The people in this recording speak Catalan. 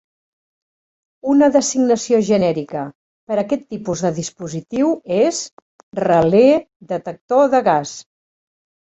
Una designació genèrica per a aquest tipus de dispositiu és "relé detector de gas".